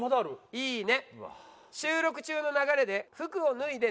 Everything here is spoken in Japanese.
「いいね」。